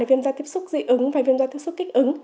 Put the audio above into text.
viêm da tiếp xúc dị ứng và viêm da tiếp xúc kích ứng